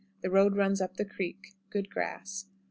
The road runs up the creek. Good grass.